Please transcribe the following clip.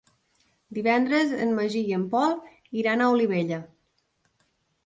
Divendres en Magí i en Pol iran a Olivella.